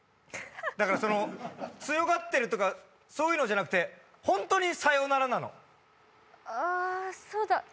だから強がってるとかそういうのじゃなくてホントにさよならなのあそうだ